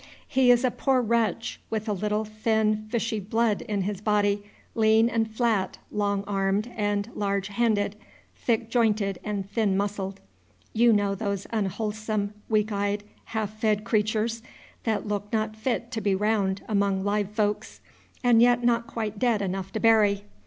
He is a poor wretch, with a little thin fishy blood in his body, lean and flat, long armed and large handed, thick jointed and thin muscled, you know those unwholesome, weak eyed, half fed creatures, that look not fit to be round among live folks, and yet not quite dead enough to bury.